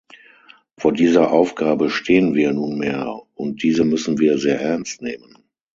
Vor dieser Aufgabe stehen wir nunmehr, und diese müssen wir sehr ernst nehmen.